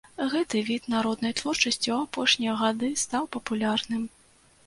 Гэты від народнай творчасці ў апошнія гады стаў папулярным.